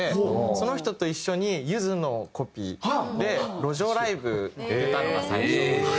その人と一緒にゆずのコピーで路上ライブに出たのが最初です。